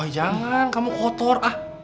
jangan kamu kotor